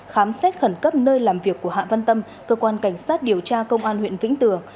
khám xét khẩn cấp nơi làm việc của hạ văn tâm cơ quan cảnh sát điều tra công an huyện vĩnh tường